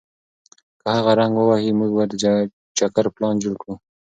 که هغه زنګ ووهي، موږ به د چکر پلان جوړ کړو.